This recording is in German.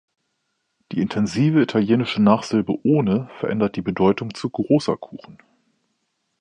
Die intensive italienische Nachsilbe „-one“ verändert die Bedeutung zu „großer Kuchen“.